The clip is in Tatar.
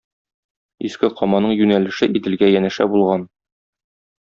Иске Каманың юнәлеше Иделгә янәшә булган.